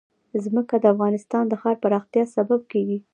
ځمکه د افغانستان د ښاري پراختیا سبب کېږي.